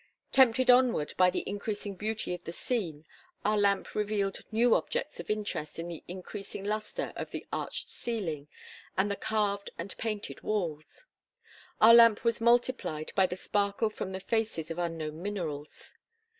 Tempted onward by the increasing beauty of the scene, our lamp revealed new objects of interest in the increasing lustre of the arched ceiling, and the carved and painted walls. Our lamp was multiplied by the sparkle from the faces of unknown minerals.